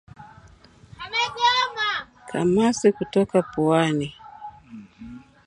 Kamasi kutoka puani